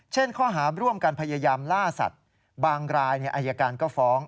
ข้อหาร่วมกันพยายามล่าสัตว์บางรายอายการก็ฟ้อง